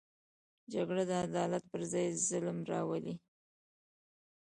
جګړه د عدالت پر ځای ظلم راولي